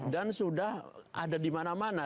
dan sudah ada di mana mana